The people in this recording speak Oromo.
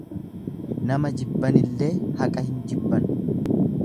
Nama jibbanillee haqa hin jibban.